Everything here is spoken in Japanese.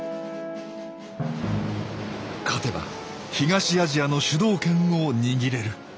勝てば東アジアの主導権を握れる。